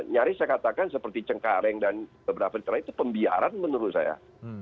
nyaris saya katakan seperti cengkareng dan beberapa negara itu pembiaran menurut saya